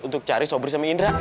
untuk cari sobri sama indra